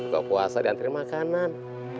gak puasa diantre makanan